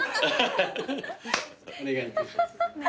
お願いいたします。